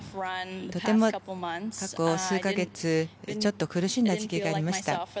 とても過去数か月ちょっと苦しんだ時期がありました。